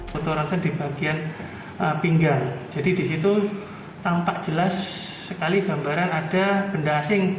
foto ronsen di bagian pinggang jadi disitu tampak jelas sekali gambaran ada benda asing